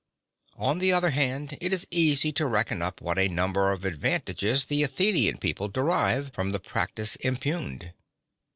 (41) On the other hand, it is easy to reckon up what a number of advantages the Athenian People derive from the practice impugned.